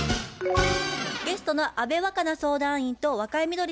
ゲストの安部若菜相談員と若井みどり